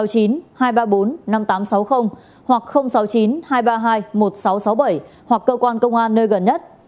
hoặc sáu mươi chín hai trăm ba mươi hai một nghìn sáu trăm sáu mươi bảy hoặc cơ quan công an nơi gần nhất